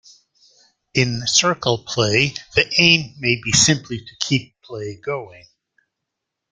In circle play, the aim may be simply to keep play going.